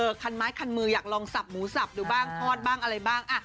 คันไม้คันมืออยากลองสับหมูสับดูบ้างทอดบ้างอะไรบ้าง